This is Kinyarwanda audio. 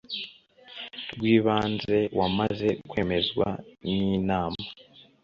rw ibanze wamaze kwemezwa n Inama